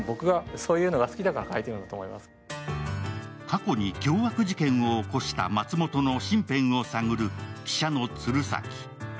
過去に凶悪事件を起こした松本の身辺を探る記者の鶴崎。